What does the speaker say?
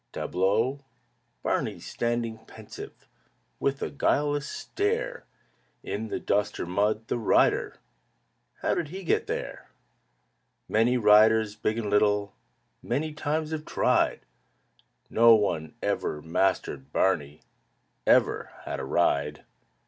Tableau Barney standing pensive With a guileless stare. In the dust or mud, the rider! How did he get there? Many riders, big and little, Many times have tried; No one ever mastered Barney, Ever had a ride.